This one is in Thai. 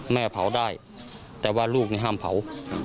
แม่เผาได้แต่ว่าลูกนี่ห้ามเผา